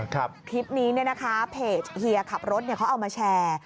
คลิปนี้เนี่ยนะคะเพจเฮียขับรถเขาเอามาแชร์